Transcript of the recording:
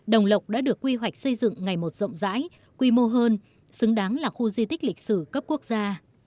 đồng lộc đã được quy hoạch xây dựng ngày một rộng rãi quy mô hơn xứng đáng là khu di tích lịch sử cấp quốc gia